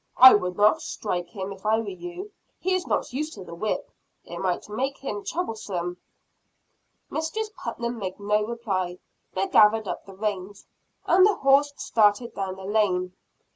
"I would not strike him, if I were you. He is not used to the whip it might make him troublesome." Mistress Putnam made no reply; but gathered up the reins, and the horse started down the lane.